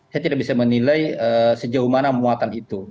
saya tidak bisa menilai sejauh mana muatan itu